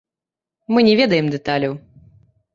Мы не ведаем дэталяў.